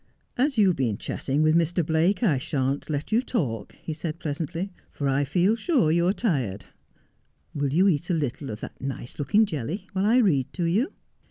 ' As you have been chatting with Mr. Blake I shan't let you talk,' he said pleasantly, ' for I feel sure you are tired. Will you eat a little of that nice looking jelly while I read to you